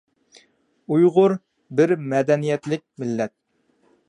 ئۇيغۇر بىر مەدەنىيەتلىك مىللەت.